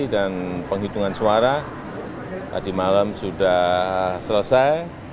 dan penghitungan suara tadi malam sudah selesai